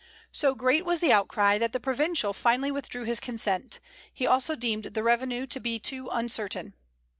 So great was the outcry, that the provincial finally withdrew his consent; he also deemed the revenue to be too uncertain.